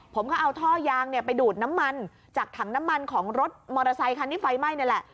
ผมก็เอาท่อยางไปดูดน้ำมันจากถังน้ำมันของรถมอเตอร์ไซคันที่ไฟไหม้นี่แหละ